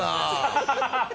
「ハハハハハ」